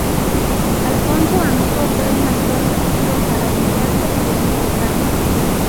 Alfonso Amigo fue un actor nacido para el teatro y el melodrama.